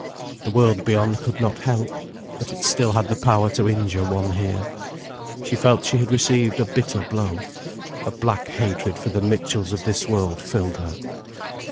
The world beyond could not help, but it still had the power to injure one here. She felt she had received a bitter blow. A black hatred for the Mitchells of this world filled her.